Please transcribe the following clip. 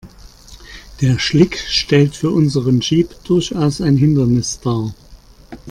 Der Schlick stellt für unseren Jeep durchaus ein Hindernis dar.